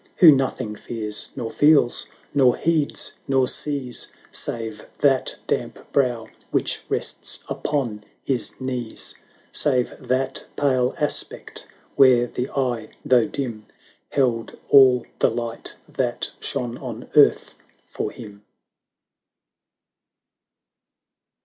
Who nothing fears — nor feels — nor heeds — nor sees — Save that damp brow which rests upon his knees; Save that pale aspect, where the eye, though dim. Held all the light that shone on earth for him.